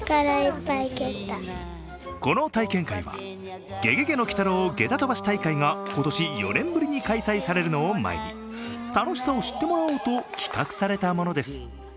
この体験会は、「ゲゲゲの鬼太郎ゲタ飛ばし大会」が今年４年ぶりに開催されるのを前に楽しさを知ってもらおうと企画されたものです。